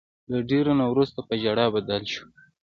له ډیریدو نه وروسته په ژړا بدل شول.